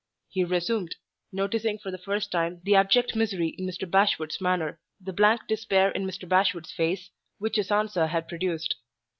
he resumed, noticing for the first time the abject misery in Mr. Bashwood's manner, the blank despair in Mr. Bashwood's face, which his answer had produced.